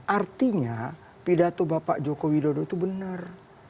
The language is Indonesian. artinya pidato bapak joko widodo itu benar